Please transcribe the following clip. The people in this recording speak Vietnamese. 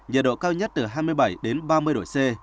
nhiệt độ cao nhất từ hai mươi bảy đến ba mươi độ c